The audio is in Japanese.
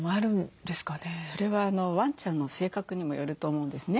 それはワンちゃんの性格にもよると思うんですね。